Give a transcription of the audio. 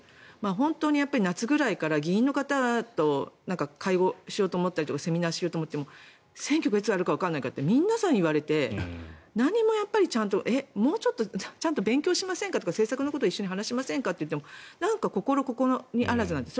本当に夏ぐらいから議員の方と会合とかセミナーをしようと思っても選挙がいつあるかわからないからって皆さん言われて何ももうちょっと勉強しませんかとか政策のことを一緒に話しませんかと言っても心ここにあらずなんです。